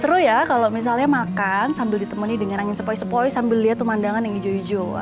seru ya kalau misalnya makan sambil ditemani dengan angin sepoi sepoi sambil lihat pemandangan yang hijau hijau